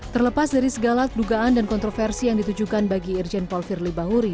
terlepas dari segala dugaan dan kontroversi yang ditujukan bagi irjen paul firly bahuri